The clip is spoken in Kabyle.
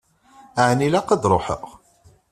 Ɛni ilaq ad ṛuḥeɣ?